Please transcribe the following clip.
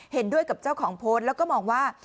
เห็นด้วยกับเจ้าของโพสต์แล้วก็มองว่า